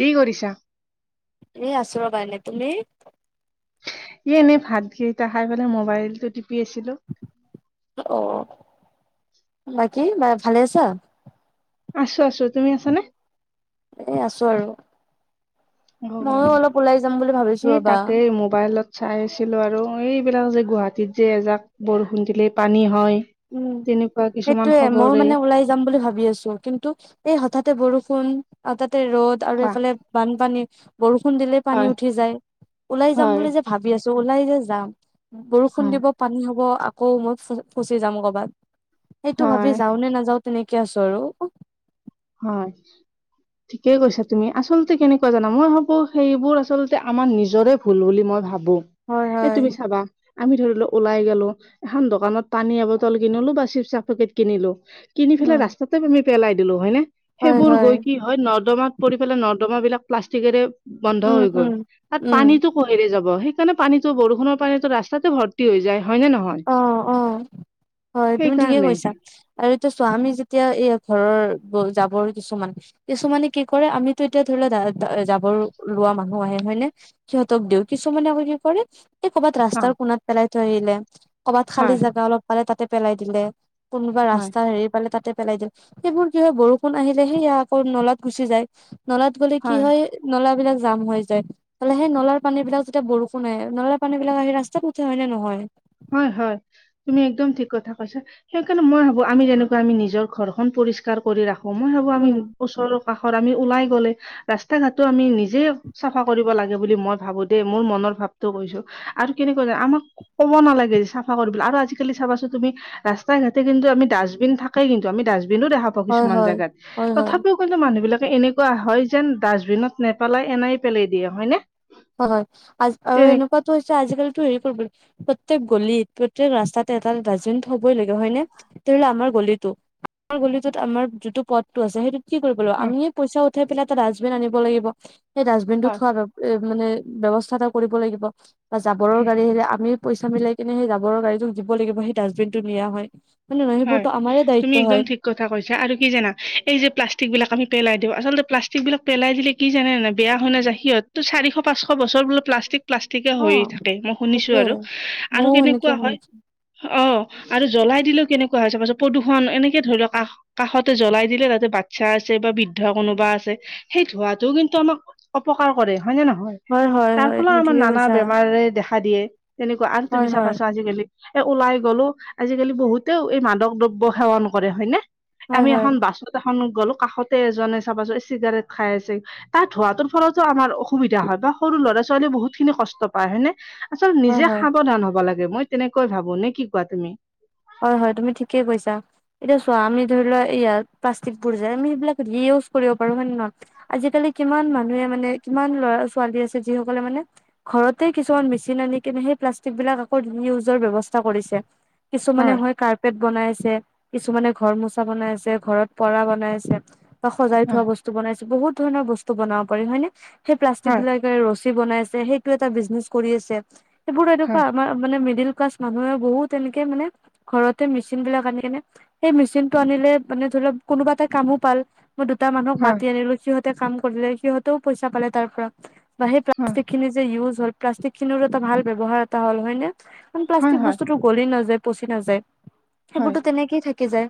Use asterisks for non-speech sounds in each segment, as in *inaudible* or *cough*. কি কৰিছা? এ আছোঁ ৰবা এনে, তুমি? ই এনেই ভাত খৰিটা অহাৰ পেলাই মোবাইলটো টিপি আছিলো *unintelligible* অ' বাকী মায়ে ভালে আছা? আছো আছো তুমি আছানে? এ' আছো আৰু ময়ো অ', অলপ ওলাই যাম বুলি ভাবিছো এই ৰবা। তাকেই মোবাইলত। চাই আছিলো আৰু এইবিলাক যে গুৱাহাটীত যে এজাক বৰষুণ দিলেই পানী হয়। উম, তেনেকুৱা কিছুমান সেইটোয়ে মইও খবৰে মানে ওলাই যাম বুলি ভাবি আছো। কিন্তু এই হঠাতে বৰষুণ, হঠাতে ৰ'দ আৰু কোৱা এইফালে বানপানী। বৰষুণ দিলেই পানী হয় উঠি যায়, ওলাই যাম হয় বুলি যে ভাবি আছো ওলাই যে যাম। বৰষুণ হয় দিব পানী হব, আকৌ মই ফু ফুচি যাম কৰবাত। সেইটো হয় ভাবি যাও নে নাযাও তেনেকে আছো আৰু। হয়। ঠিকেই কৈছা তুমি, আচলতে কেনেকুৱা জানা? মই ভাবো সেইবোৰ আচলতে আমাৰ নিজৰে ভুল বুলি মই ভাবো, হয় এই হয় তুমি চাবা আমি ধৰি ল ওলাই গলো, এখন দোকানত পানী এবটল কিনিলো বা চিপচ চা পেকেট কিনিলো কিনি পেলাই উম ৰাস্তাতে আমি পেলাই দিলো হয়নে? সেইবোৰ গৈ কি হয় নৰ্দমাত পৰি পেলাই নৰ্দমাবিলাক প্লাষ্টিকেৰে বন্ধ উম হৈ গ'ল উম তাত উম পানীটো পোহেৰে যাব সেইকাৰণে পানীটো বৰষুণৰ পানীটো ৰাস্তাতে ভৰ্তি হৈ যায় হয় নে নহয়? অ অ হয়, তুমি ঠিকেই সেইকাৰণে কৈছা। আৰু এতিয়া চোৱা আমি যেতিয়া এই ঘৰৰ জাবৰ কিছুমান, কিছুমানে কি কৰে আমি তেতিয়া ধৰি লোৱা দা দা জাবৰ লোৱা মানুহ আহে হয়নে? সিহঁতক দিও কিছুমানে আকৌ কি কৰে এই কৰ'বাত হয় ৰাস্তাৰ কোণাত পেলাই থৈ আহিলে, কৰবাত খালী হয় জাগা অলপ পালে তাতে পেলাই দিলে কোনোবা হয় ৰাস্তা হেৰি পালে তাতে পেলাই দিয়ে। সেইবোৰ কি হয় বৰষুণ আহিলে সেই আকৌ নলাত গুচি যায়, নলাত গলে কি হয় নলাবিলাক জাম হৈ যায় ত'লে সেই নলাৰ পানীবিলাক যেতিয়া বৰষুণ আহে, নলাৰ পানীবিলাক আহি ৰাস্তাত উঠে হয় নে নহয়? হয় হয়। তুমি একদম ঠিক কথা কৈছা সেইকাৰণে মই ভাবো আমি যেনেকুৱা আমি নিজৰ ঘৰখন পৰিষ কাৰ কৰি ৰাখো, মই ভাবো আমি উম ওচৰৰ কাষৰ আমি ওলাই গ'লে ৰাস্তা ঘাটটো আমি নিজে চাফা কৰিব লাগে বুলি মই ভাবো দেই, মোৰ মনৰ ভাৱটো কৈছো আৰু কেনেকুৱা জান আমাক ক'ব নালাগে যে চাফা কৰিবলৈ আৰু আজিকালি চাবাচোনঁ তুমি ৰাস্তা ঘাটে কিন্তু আমি ডাষ্টবিন থাকে কিন্তু আমি ডাষ্টবিনো দেখা পাওঁ হয় কিছুমান হয় জেগাত হয় হয় তথাপিও কিন্তু মানুহবিলাকে এনেকুৱা হয় যেন ডাষ্টবিনত নেপেলাই এনেই পেলাই দিয়ে হয়নে? হয় হয় আজ আৰু তেনে এনেকুৱাতো হৈছে আজিকালিটো হেৰি কৰিব প্ৰত্যেক গলিত, প্ৰত্যেক ৰাস্তাতে এটা দাষ্টবিন থবই লাগে হয়নে? ধৰিলে আমাৰ গলিটো আমাৰ গলিটোত আমাৰ যিটো পথটো আছে সেইটো কি কৰিব লো, অ, আমিয়ে পইচা উঠাই পেলাই এটা ডাষ্টবিন আনিব লাগিব সেই ডাষ্টবিনটো থোৱাৰ হয় ব্যৱ এ মানে ব্যৱস্থা এটা কৰিব লাগিব বা জাবৰৰ গাড়ী হেৰি আমি পইচা মিলাই কিনে সেই জাবৰ গাড়ীটোক দিব লাগিব সেই ডাষ্টবিনটো নিয়া হয়। মানে নহয় হয় সেইবোৰতো আমাৰে তুমি দায়িত্ব একদম হয়। ঠিক কথা কৈছে আৰু কি জানা? এই যে প্লাষ্টিকবিলাক আমি পেলাই দিও, আচলতে প্লাষ্টিকবিলাক পেলাই দিলে কি জানে নে বেয়া হয় ন যায় সিহতো চাৰিশ - পাঁচশ বছৰ বোলে প্লাষ্টিক প্লাষ্টিকে অ হৈ থাকে মই শুনিছো সেইটোয়ে আৰু আৰু ময়ও সেনেকে কেনেকুৱা হয় শুনিছো অ আৰু জ্বলাই দিলেও কেনেকুৱা হৈছে? পাছত প্ৰদূষণ এনেকে ধৰি লওক কাষ কাষতে জ্বলাই দিলে তাতে বাচ্ছা আছে বা বৃদ্ধ কোনোবা আছে সেই ধোঁৱাটো কিন্তু আমাক অপকাৰ কৰে হয় নে নহয়? হয় হয় তাৰ হয় ফলাও তুমি আমাৰ ঠিকে নানা কৈছা বেমাৰে দেখা দিয়ে তেনেকুৱা আৰু হয় তুমি চাব হয় পাইছা আজিকালি। এ ওলাই গ'লো, আজিকালি বহুতেও এই মাদক দ্ৰব্য সেৱন কৰে হয়নে? হয় আমি হয় এখন বাচ ত এখন গ'লো, কাষতে এজনে চাবা চিগাৰেট খাই আছে তাত ধোৱাটোৰ ফলতো আমাৰ অ সুবিধা হয় বা সৰু ল'ৰা - ছোৱালীয়ে বহুত খিনি কষ্ট পায় হয়নে? আচল হয় নিজে হয় সাৱধান হ'ব লা যে মই তেনেকৈ ভাবো নে কি কোৱা তুমি? হয় হয় তুমি ঠিকেই কৈছা। এতিয়া চোৱা, আমি ধৰি লোৱা ইয়াত প্লাষ্টিকবোৰ যায়, আমি সেইবিলাক ৰিইউজ কৰিব পাৰো হয় নে নহয়? আজিকালি কিমান মানুহে মানে কিমান ল'ৰা- ছোৱালী আছে যিসকলে মানে ঘৰতে কিছুমান মেচিন আনি কিনে সেই প্লাষ্টিকবিলাক আকৌ ৰিইউজৰ ব্যৱস্থা কৰিছে। কিছুমানে হয় কাৰ পেট বনাইছে কিছুমানে ঘৰ মোচা বনাই আছে ঘৰত পৰা বনাইছে। বা সজাই থোৱা হয় বস্তু বনাইছে বহুত ধৰণৰ বস্তু বনাব পাৰি হয় নে সেই প্লাষ্টিক হয় বিলাক,,, ৰছী বনাই আছে সেইটো এটা বিজনেচ কৰি আছে সেইবোৰ হয় এনেকুৱা,,, আমাৰ মানে মিডিল ক্লাছ মানুহে বহুত এনেকে মানে ঘৰতে মেচিন বিলাক আনি কিনে সেই মেচিন টো আনিলে মানে ধৰি লওক কোনোবা এটা কামো পাল মই দুটা মানুহক হয় মাতি আনিলো সিহঁতে কাম কৰিলে সিহঁতেও পইচা পালে তাৰ পৰা বা সেই,,, হো প্লাষ্টিক খিনি যে ইউজ হ'ল প্লাষ্টিক খিনিৰো এটা ভাল ব্যৱহাৰ এটা হল হয়নে? প্লাষ্টিক হয় বস্তুটো গ'লি নাযাই পচি নাযায় হয় সেইবোৰতো তেনেকেই থাকি যায়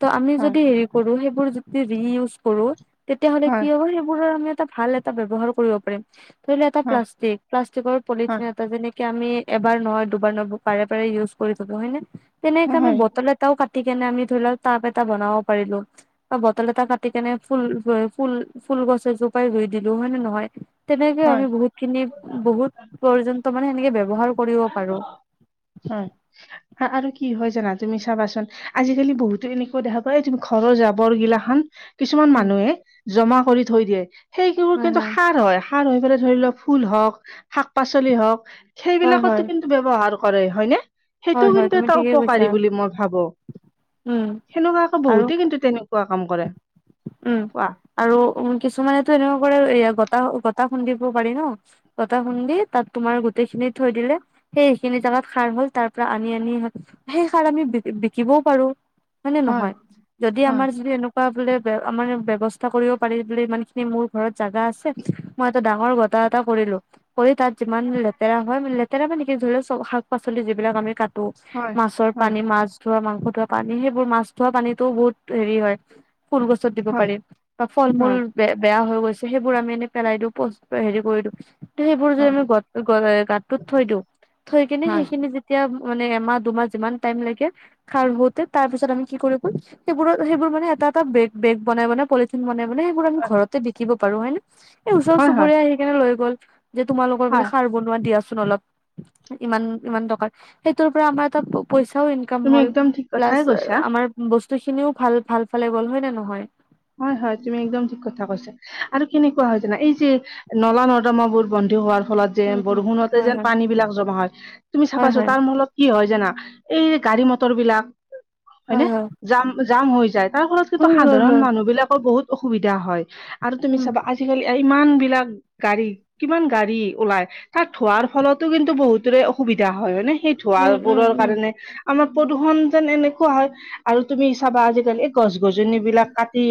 ত আমি হয় যদি হেৰি- কৰু সেইবোৰ যদি ৰিইউজ কৰো তেতিয়া হ'লে কি হয় হ'ব সেইবোৰৰ আমি এটা ভাল টা ব্যৱহাৰ কৰিব পাৰিম ধৰি লও এটা হয় প্লাষ্টিক প্লাষ্টিকৰ হয় পলিথিন হয় এটা যেনে,,, আমি এবাৰ নহয় দুবাৰ নহ বাৰে বাৰে ইউজ কৰি থব হয় নে তেনেকে আমি হয় হয় বটলত, তাও কাটি কেনে আমি ধৰি লওক তাপ এটা বনাব পাৰিলো। বা বটল এটা কাটি কেনে ফুল ফুল ফুল গছ এজোপাই ৰুই দিলো হয় নে নহয়? তেনেকে হয় আমি বহুত খিনি বহুত পৰ্যন্ত মানে সেনেকে ব্যৱহাৰ কৰিব পাৰো। হয়। আৰু কি হয় জানা তুমি চাবাচোন আজিকালি বহুতো এনেকুৱা দেখা পাই ঘৰৰ জাবৰ গিলাখান,, কিছুমান উম, মানুহে জমা কৰি থৈ দিয়ে সেইবোৰ কিন্তু সাৰ হয়। সাৰ হৈ পেলাই ধৰি লও ফুল হওক, শাক-পাচলি হওক হয় সেইবিলাকত হয়। ব্যৱহাৰ কৰে হয়নে? হয় সেইটো হয় কিন্তু তুমি এটা ঠিকে কৈছা উপকাৰী বুলি মই ভাবোঁ উম সেনেকুৱাকে আৰু বহুতে কিন্তু তেনেক কোৱা কাম কৰে উম কোৱা? আৰু উ কিছুমানেতো এনেকুৱা কৰে গতা গতা খুন্দিব পাৰি ন। গতা খুন্দি তাত তোমাৰ গোটেই খিনি থৈ দিলে,,, সেইখিনি জাগাত সাৰ হ'ল তাৰ পৰা আনি আনি সেই সাৰ আমি বি বিকিবও পাৰো। হয় নে নহয় যদি হয় আমাৰ যদি এনেকা এনেকোৱা বোলে আনে ব্যৱস্থা কৰিব পাৰি বোলে ইমান খিনি মোৰ ঘৰত জাগা আছে। মই এটা ডাঙৰ গটা এটা কৰিলো। কৰি তাত যিমান লেতেৰা হয় লেতেৰা মান নেকি ধৰি লও চ শাক-পাচলি যিবিলাক আমি কাটি,,, তো হয় মাছৰ হয় পানী মাছ ধোৱা, মাংস ধোৱা পানী সেইবোৰ মাছ ধোৱা পানীতোও বহুত হেৰি হয়। ফুলগছত দিব হয় পাৰি বা ফল-মূল। হয় বে বেয়া হৈ গৈছে সেইবোৰ আমি এনেই পেলাই দিওঁ হেৰি কৰি দিওঁ সেইবোৰ যদি হয় গ গাতটোত থৈ দিওঁ থৈ কিনে হয় সেইখিনি এতিয়া মানে এমাহ দুমাহ যিমান টাইম লাগে খাৰ হোতে তাৰ পিছত আমি কি কৰিব সেইবোৰত সেইবোৰ মানে,,, এটা এটা বে বেগ বনাই বনাই পলিথিন বনাই বনাই সেইবোৰ আমি ঘৰতে বিকিব পাৰো হয় নে? এই ওচৰ হয় হয় হয় চুবুৰীয়া আহি কেনে লৈ গ'ল যে তোমালোকৰ বোলে হয় সাৰ বনোৱা দিয়াছোন। দিয়াচোন অলপ ইমান ইমান টকাৰ সেইটোৰ পৰা আমাৰ এটা পইচাও ইনকম ইনকাম তুমি হ'ল একদম ঠিক প্লাচ কথাই কৈছা আমাৰ বস্তু খিনিও ভাল ভাল ফালে গল হয় নে নহয়? হয়ঁ হয়ঁ তুমি একদম ঠিক কথা কৈছা। আৰু কেনেকুৱা হয় জানা এই যে নলা নৰ্দমা বোৰ বন্ধী হোৱাৰ ফলত। যেন উম, উম, বৰষুণতে হয়, যেন হয়, পানী বিলাক জমা হয় তুমি চাবা হয়, ছোন হয়, তাৰ মোলত কি হয় জানা এই গাড়ী মটৰ বিলাক হয়, হয়নে হয়, জাম জাম হৈ যায়। তাৰ ফলত কিন্তু হয়, হয়, সাধাৰণ হয়, মানুহ বিলাকৰ বহুত অসুবিধা হয় আৰু তুমি উম, চাবা আজিকালি ইমান বিলাক গাড়ী কিমান গাড়ী ওলাই তাক ধূৱাৰ ফলতো কিন্তু বহুতৰে অসুবিধা হয় নে ধূৱা উম, উম, বোৰৰ উম, কাৰণে আমাৰ প্ৰদূষণ যেন এনেকুৱা হয় আৰু তুমি চাবা আজিকালি গছ-গছনি বিলাক কাটি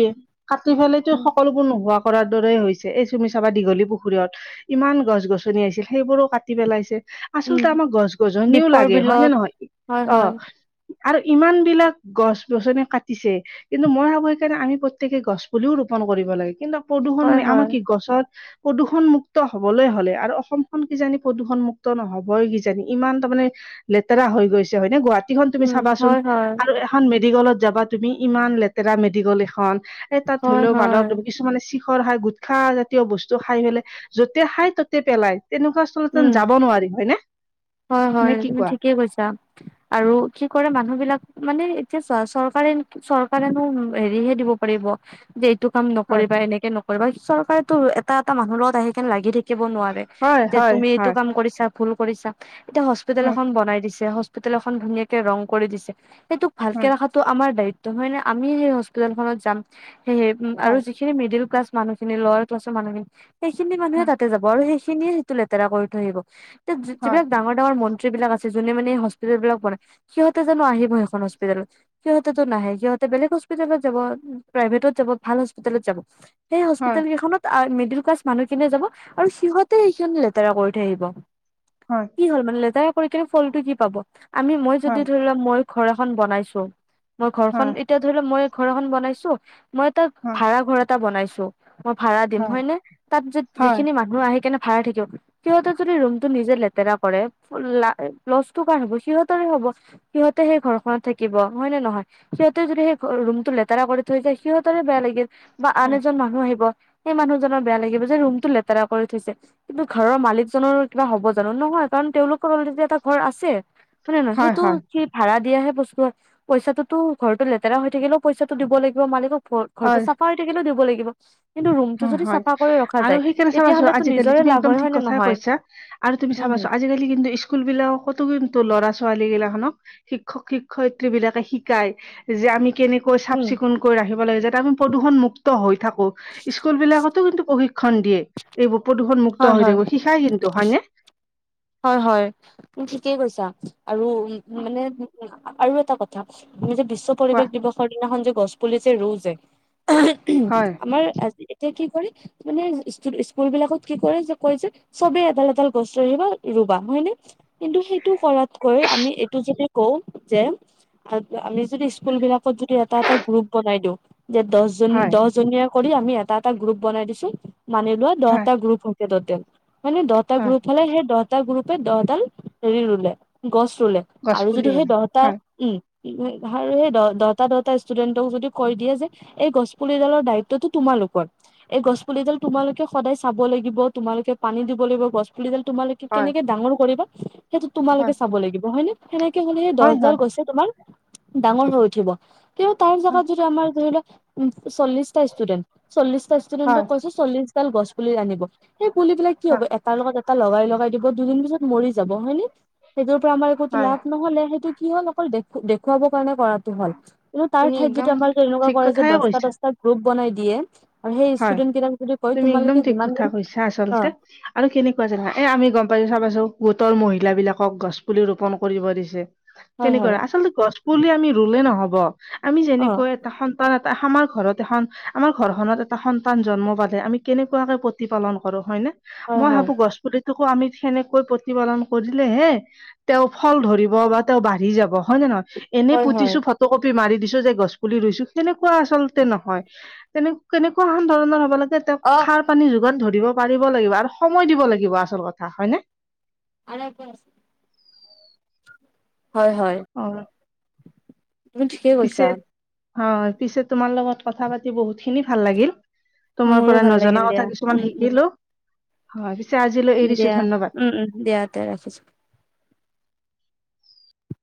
কাটি পেলাইতো উম, সকলোবোৰ নোহোৱা কৰাৰ দৰেই হৈছে এই তুমি চাবা দীঘলী পুখুৰীত ইমান গছ-গছনি আছিল সেইবোৰো কাটি পেলাইছে। উম, আচলতে আমাৰ গছ-গছনিও দীপৰ লাগে হয় নে বিলত নহয় হয়, অ। হয়, আৰু ইমান বিলাক গছ গছনি কাটিছে কিন্তু মই ভাবো সেইকাৰণে আমি প্ৰত্যকে গছ পুলিও ৰোপন কৰিব লাগে কিন্তু প্ৰদূষণ হয়, মানে আমাৰ হয়, কি গছৰ প্ৰদূষণ মুুক্ত হবলৈ হ'লে আৰু অসমখন কিজানি প্ৰদূষণ মুক্ত নহবই কিজানি ইমান তাৰমানে লেতেৰা হৈ গৈছে হয়নে গুৱাহাটী গুৱাহাটী এখন তুমি উম, চাবাচোন হয়, হয়, আৰু এখন মেডিকেলত যাবা তুমি ইমান লেতেৰা মেডিকল এখন এ তাত ধৰি হয়, লও হয়, মানুহ কিছুমানে ছি খাই গুটখা জাতীয় বস্তু খাই পেলাই যতে খাই তাতে পেলাই তেনেকুৱা আচলতেন উম, যাব নোৱাৰি হয়নে হয়, হয়, নে কি তুমি কোৱা ঠিকেই কৈছা আৰু কি কৰে মানুহ বিলাক মানে এতিয়া চোৱা চৰকাৰে চৰকাৰেনো হেৰিহে দিব পাৰিব যে এইটো কাম হয় নকৰিবা এনেকে নকৰিবা চৰকাৰেতো এটা এটা মানুহ লগত আহি কেনে লাগি থাকিব থাকিব নোৱাৰে হয় যে হয় তুমি এইটো হয় কাম কৰিছা ভুল কৰিছা এতিয়া হস্পিতেল হয় এখন বনাই দিছে হস্পিতেল এখন ধুনীয়াকে ৰং কৰি দিছে সেইটোক ভালকে হয় ৰখাটো আমাৰ দায়িত্ব নহয় নে আমি সেই হস্পিতেল খনত যাম সেইয়েহে আৰু সেই মিডিল ক্লাছ মানুহখিনি লৱেৰ ক্লাছৰ মানুহখিন সেইখিনি মানুহে তাতে যাব আৰু সেইখিনি লেতেৰা কৰি থৈ আহিব এতিয়া যিবিলাক ডাঙৰ ডাঙৰ মন্ত্ৰী বিলাক আছে যোনে মানে হস্পিতেল বিলাক বনাই সিহঁতে জানো আহিব সেইখন হস্পিতেলত সিহঁতেতো নাহে সিহঁতে বেলেগ হস্পিতেলত যাব প্ৰাইভেটত যাব ভাল হস্পিতেলত যাব সেই হস্পিতেল কেইখনত মিডিল ক্লাছ মানুহখিনিয়ে যাব আৰু সিহঁতে সেইখিনি লেতেৰা কৰি থৈ আহিব হয় কি হ'ল মানে লেতেৰা কৰি কিনে ফলটো কি পাব আমি মই যদি ধৰি লওক মই যদি ঘৰ এখন বনাইছো মই ঘৰখন এতিয়া ধৰি লও মই ঘৰ এখন বনাইছো মই এটা ভাড়া ঘৰ এটা বনাইছো মই ভাড়া দিম হয়নে তাত যিখিনি মানুহ আহি কেনে ভাড়া থাকিব সিহঁতে যদি ৰুমটো নিজে লেতেৰা কৰে ‌লা লছটো কাৰ হব সিহঁতৰে হব সিহঁতেহে সেই ঘৰখনত থাকিব হয় নে নহয় সিহঁতেও যদি সেই ৰুমটো লেতেৰা কৰি থৈ যায় সিহঁতৰে বেয়া লাগিল বা আন হয়, এজন মানুহ আহিব সেই মানুহজনৰ বেয়া লাগিব যে ৰুমটো লেতেৰা কৰি থৈছে কিন্তু ঘৰৰ মালিকজনৰ কিবা হ'ব জানো নহয় কাৰণ তেওঁলোকৰ অলৰেডি এটা ঘৰ আছে হয় নে নহয় সেইটো সি ভাড়া দিয়াহে বস্তু হয় পইচাটোতো ঘৰতো লেতেৰা হৈ থাকিলেও পইচা টো দিব লাগিব মালিকক ঘৰটো চাফা হৈ থাকিলেও দিব লাগিব কিন্তু ৰুমটো হয় যদি হয় চাফা কৰি ৰখা আৰু যায় সেইকাৰণে তেতিয়া চাবাচোন হলেতো আজিকালি তুমি একদম ঠিক কথাই কৈছা আৰু তুমি উম, চাবা চোন হম, আজি আজিকালি কিন্তু স্কুল বিলাকতো কিন্তু ল'ৰা ছোৱালীগিলা খনক শিক্ষক শিক্ষয়িত্ৰী বিলাকে শিকায় যে আমি কেনেক কৈ চাফ উম, চিকুণকৈ ৰাখিব লাগে যাতে আমি প্ৰদূষণ মুক্ত হৈ থাকো স্কুল বিলাকতো কিন্তু প্ৰশিক্ষণ দিয়ে এইবোৰ প্ৰদূষণ হয়, মুুক্ত হৈ হয়, থাকিব শিকাই কিন্তু হয়নে হয় হয় তুমি ঠিকেই কৈছা আৰু মানে আৰু এটা কথা নিজে বিশ্ব কোৱা পৰিৱেশ দিৱসৰ দিনাখন যে গছ পুলি যে ৰু যে, হয়, আমাৰ আজি- কি কয়, মানে স্কুলবিলাকত কি কৰে যে কয় যে চবে এডাল এডাল গছ লৈ আহিবা- ৰুবা হয় নে, কিন্তু সেইটো কৰাতকৈ আমি এইটো যে কওঁ যে, আৰু আমি যদি স্কুল বিলাকত যদি এটা এটা গ্ৰুপ বনাই দিওঁ যে দহজন হয়, দহজনীয়া- কৰি আমি এটা এটা গ্ৰুপ বনাই দিছো মানি লোৱা হয়, দহটা গ্ৰুপ হলগে ততেল মানে দহ- দ হটা হয় গ্ৰুপ হ'লে সেই দহটা গ্ৰুপে দহডাল হেৰি ৰুলে গছ ৰুলে। গছ আৰু পুলি যদি সেই ৰুলে দহটা হয়। উম'- দহটা দহটা ষ্টুডেন্টক যদি কৰি দিয়ে যে- এই গছপুলিডালৰ দায়িত্বতো তোমালোকৰ। এই গছ পুলিডাল তোমালোকে সদায় চাব লাগিব, তোমালোকে পানী দিব লাগিব, গছ পুলিডাল তোমালোক- হয়, কেনেকে ডাঙৰ কৰিবা সেইটো হয়, তোমালোকে চাব লাগিব হয় নে? সেনেকে হলেহে হয়, দছডাল হয়, গছে তোমাৰ ডাঙৰ হৈ উঠিব। কিয়, তাৰ হয়, জাগাত যদি আমাৰ ধৰিলোৱা চল্লিশটা ষ্টুডেন্ট চল্লিশটা ষ্টুডেন্ট ক হয়, কৈছে- চল্লিশডাল গছ পুলি আনিব সেই পুলি বিলাক কি হব হয়, এটাৰ লগত এটা লগাই লগাই- দুদিন পিছত মৰি যাব হয় নে, সেইটোৰ পৰা আমাৰ একো হয়, লাভ নহলে সেইটো কি হ'ল- অকল দেখো দেখুৱাব কাৰণে কৰাটো হ'ল কিন্তু তাৰ তুমি ঠাইত একদম যদি আমাৰ এনেকুৱা ঠিক কৰে যে কথাই দহটা কৈছা, দহটা- গ্ৰুপ বনাই দিয়ে আৰু সেই হয়, ষ্টুডেন্ট কেইটাক যদি কয় তুমি একদম তোমালোকে ঠিক যিমান কথা দিন কৈছা অ'- আচলতে আৰু কেনেকুৱা জানা, এ আমি গম পাইছো চাবাছো গোটৰ মহিলা বিলাকক গছ পুলি ৰোপন কৰিব দিছে- হয় হয় তেনেকৈ, আচলতে গছ পুলি আমি ৰুলে নহব আমি অ যেনেকৈ এটা সন্তান- টা আমাৰ ঘৰত এখন আমাৰ ঘৰখনত এট- টা সন্তান জন্ম বাদে আমি কেনেকুৱাকে প্ৰতি পালন কৰো হয়নে হয় মই হয় ভাবো গছপুলিত- তোকো আমি সেনেকৈ প্ৰতিপালন কৰিলে হে- তেওঁ ফল ধৰিব বা তেওঁ বাঢ়ি যাব হয় নে নহয়। এনেই হয় হয় পুতিছো ফটো কপি মাৰি দিছো যে গছ পুলি ৰুইছো তেনেকুৱা আচলতে নহয়। তেনে- কেনেকুৱাখন ধৰণৰ হ'ব লাগে তেওঁক অ খাব- পানী যোগান ধৰিব পাৰিব লাগিব আৰু সময় দিব লাগিব আচল কথা হয়নে? হয় হয়। অঁ' তুমি পি ঠিকেই পিছে- কৈছা অঁ', পিছে তোমাৰ লগত কথা পাতি বহুতখিনি ভাল লাগিল। তোমাৰ মোৰো পৰা ভাল লাগিল নজনা দিয়া কথা কিছুমান উম উম শিকিলো। হয়, পিছে আজিলৈ দিয়া এৰিছো ধন্যবাদ। উম উম দিয়া তে ৰাখিছো